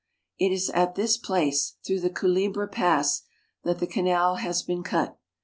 It is at this place, through the Culebra (koo la'bra) Pass, that the canal has been cut.